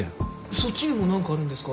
そっちにも何かあるんですか？